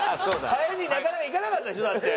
ハエになかなかいかなかったでしょ？だって。